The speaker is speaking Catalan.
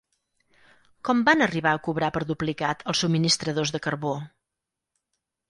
Com van arribar a cobrar per duplicat els subministradors de carbó?